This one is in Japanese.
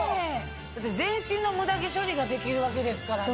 だって全身のムダ毛処理ができるわけですからね。